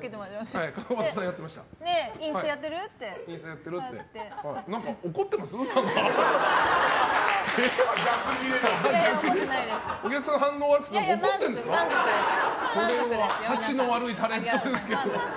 たちの悪いタレントですけど。